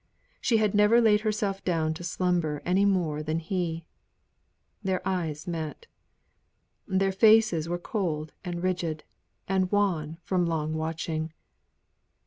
She had never laid herself down to slumber any more than he. Their eyes met. Their faces were cold and rigid, and wan, from long watching.